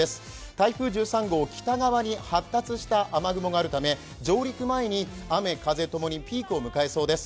台風１３号、北側に発達した雨があるため、上陸前に雨風ともにピークを迎えそうです。